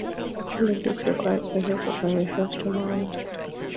All of these require special preparations to mount.